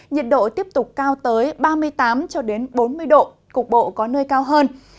nhiệt độ tiếp tục cao tới ba mươi tám bốn mươi độ cục bộ có nơi cao hơn